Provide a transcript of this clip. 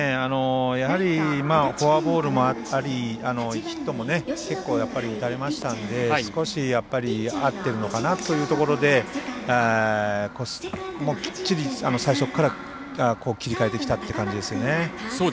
やはりフォアボールもありヒットも、結構打たれましたので少し、合っているのかなというところできっちり最初から切り替えてきたという感じですね。